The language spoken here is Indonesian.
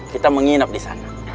kita menginap di sana